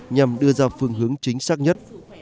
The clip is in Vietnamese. nhằm đưa ra phương hướng chính xác nhất